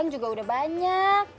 cuma buka puasanya